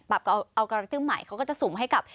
แบบเอาการการ์กเตอร์ใหม่เขาก็จะสุ่มให้กับ